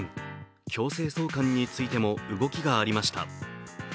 強制送還についても動きがありました。